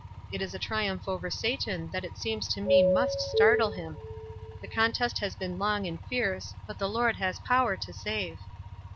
That is a triumph over Satau that it seems to me must startle him. The con test has been long and fierce, but the Lord has power to save.